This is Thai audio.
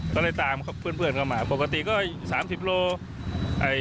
ก็เลยตามเพื่อนกลับมาปกติก็๓๐กิโลกรัม